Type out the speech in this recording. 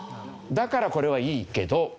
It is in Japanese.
だからこれはいいけど。